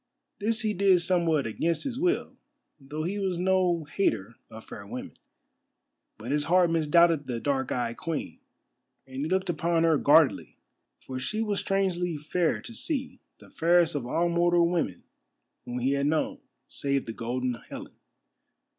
This he did somewhat against his will, though he was no hater of fair women. But his heart misdoubted the dark eyed Queen, and he looked upon her guardedly, for she was strangely fair to see, the fairest of all mortal women whom he had known, save the Golden Helen.